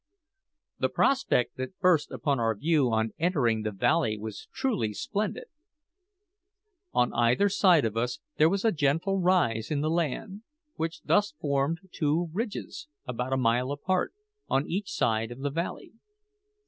The prospect that burst upon our view on entering the valley was truly splendid. On either side of us there was a gentle rise in the land, which thus formed two ridges, about a mile apart, on each side of the valley.